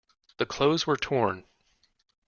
The clothes were torn.